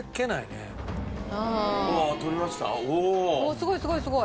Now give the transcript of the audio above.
すごいすごいすごい！